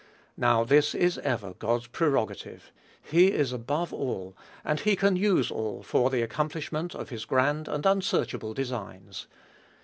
Now, this is ever God's prerogative. He is above all, and can use all for the accomplishment of his grand and unsearchable designs.